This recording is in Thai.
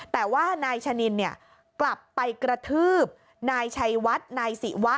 แต่ว่านายชะนินเนี่ยกลับไปกระทืบนายชัยวัดนายศิวะ